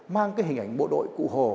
mang cái hình ảnh bộ đội cụ hồ